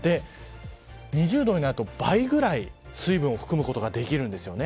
２０度になると、倍くらい水分を含むことができるんですよね。